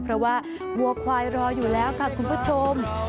เพราะว่าวัวควายรออยู่แล้วค่ะคุณผู้ชม